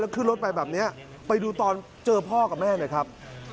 ขึ้นรถไปแบบนี้ไปดูตอนเจอพ่อกับแม่หน่อยครับ